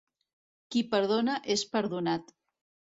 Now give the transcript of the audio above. Qui perdona és perdonat.